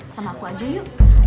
sama aku aja yuk